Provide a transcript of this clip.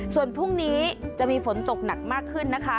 ส่วนพรุ่งนี้จะมีฝนตกหนักมากขึ้นนะคะ